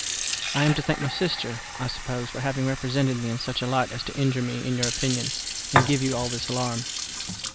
I am to thank my sister, I suppose, for having represented me in such a light as to injure me in your opinion, and give you all this alarm.